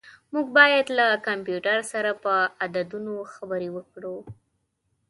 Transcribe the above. موږ باید له کمپیوټر سره په عددونو خبرې وکړو.